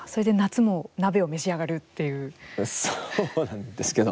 それでそうなんですけど。